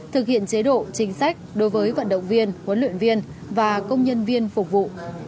thực hiện chế độ chính sách đối với vận động viên huấn luyện viên và công nhân viên phục vụ